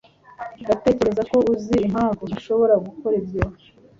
Ndatekereza ko uzi impamvu ntashobora gukora ibyo